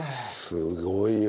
すごいよ。